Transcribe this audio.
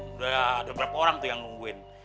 sudah ada berapa orang tuh yang nungguin